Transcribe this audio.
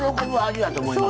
そうやと思います。